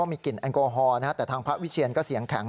ว่ามีกลิ่นแอนโกฮอล์นะครับแต่ทางพระวิเชียนก็เสียงแข็ง